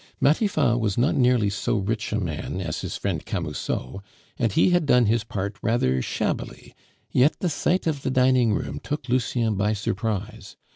Matifat was not nearly so rich a man as his friend Camusot, and he had done his part rather shabbily, yet the sight of the dining room took Lucien by surprise.